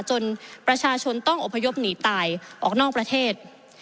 จนประชาชนต้องอบพยพหนีตายออกนอกประเทศ